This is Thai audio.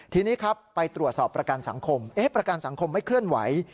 ทีนี้ครับไปตรวจสอบประกันสังคมประกันสังคมไม่เคลื่อนไหว